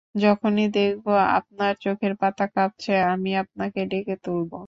যখনই দেখব আপনার চোখের পাতা কাঁপছে, আমি আপনাকে ডেকে তুলব।